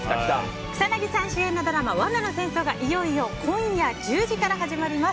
草なぎさん主演のドラマ「罠の戦争」がいよいよ今夜１０時から始まります。